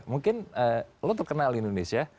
mungkin lo terkenal di indonesia